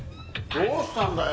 どうしたんだよ？